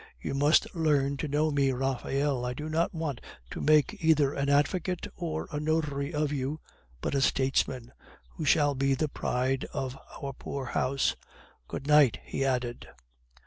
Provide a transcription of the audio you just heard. You must learn to know me, Raphael. I do not want to make either an advocate or a notary of you, but a statesman, who shall be the pride of our poor house.... Good night,' he added.